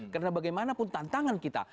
karena bagaimanapun tantangan kita